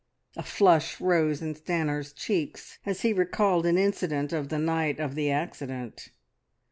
A flush rose in Stanor's cheeks as he recalled an incident of the night of the accident.